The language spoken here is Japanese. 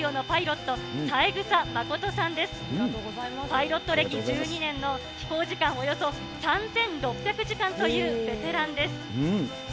パイロット歴１２年の飛行時間およそ３６００時間というベテランです。